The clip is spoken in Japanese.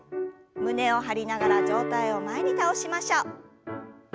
胸を張りながら上体を前に倒しましょう。